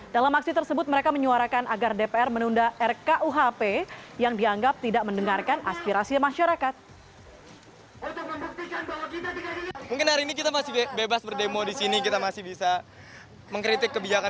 dalam aksi tersebut mereka menyuarakan agar dpr menunda rkuhp yang dianggap tidak mendengarkan aspirasi masyarakat